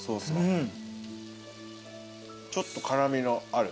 うん。